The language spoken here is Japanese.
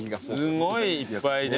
すごいいっぱいね。